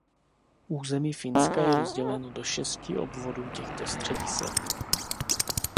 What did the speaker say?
Území Finska je rozděleno do šesti obvodů těchto středisek.